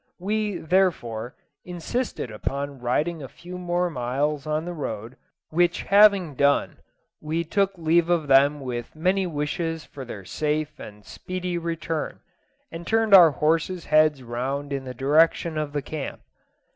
We, however, insisted upon riding a few miles more on the road, which having done, we took leave of them with many wishes for their safe and speedy return, and turned our horses' heads round in the direction of the camp.